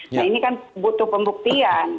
nah ini kan butuh pembuktian